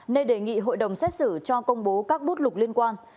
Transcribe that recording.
nên đề nghị hội đồng xét xử cho công bố các bút lục liên quan